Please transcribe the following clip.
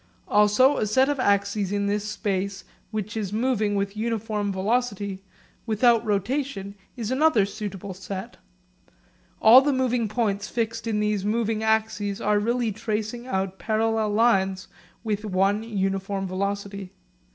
Also a set of axes in this space which is moving with uniform velocity without rotation is another suitable set. All the moving points fixed in these moving axes are really tracing out parallel lines with one uniform velocity.